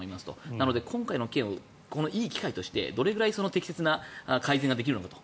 なので、今回の機会をいい機会としてどれぐらい適切な改善ができるのかと。